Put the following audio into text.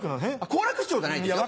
好楽師匠じゃないですよ。